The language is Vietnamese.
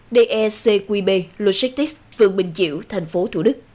decqb logistics phường bình chiểu tp thủ đức